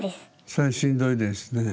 それはしんどいですねえ。